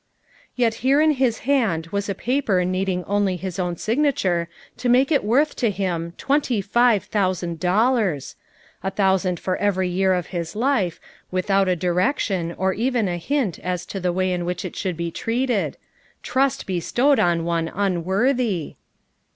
Yet here in his hand was a paper needing only his own signature to make it worth to him twentv live thousand dollars 1 a thousand for every year of his life, without a direction or even a hint as to the way it should be treated; trust bestowed on one unworthy!